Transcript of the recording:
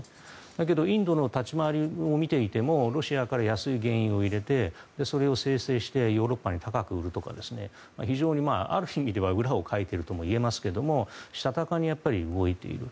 だけどインドの立ち回りを見ていてもロシアから安い原油を入れてそれを精製してヨーロッパに高く売るとか非常にある意味では裏をかいているとも言えますがしたたかに動いている。